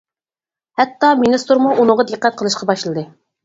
ھەتتا مىنىستىرمۇ ئۇنىڭغا دىققەت قىلىشقا باشلىدى.